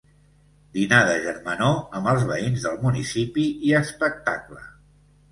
Dinar de germanor amb els veïns del municipi i espectacle.